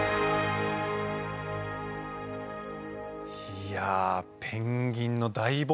いやペンギンの大冒険！